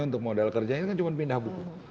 untuk modal kerja itu kan cuma pindah buku